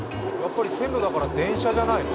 線路だから電車じゃないの？